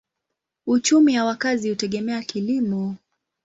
Uchumi ya wakazi hutegemea kilimo.